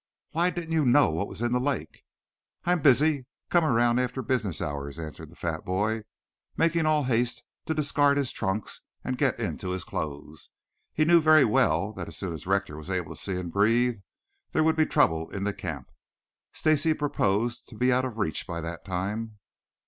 "Why, didn't you know what was in the lake?" "I'm busy. Come around after business hours," answered the fat boy, making all haste to discard his trunks and get into his clothes. He knew very well that, as soon as Rector was able to see and breathe, there would be trouble in the camp. Stacy proposed to be out of reach by that time.